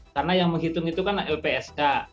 karena yang menghitung itu kan lpsk